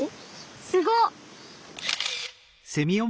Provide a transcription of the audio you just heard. すごっ！